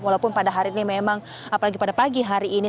walaupun pada hari ini memang apalagi pada pagi hari ini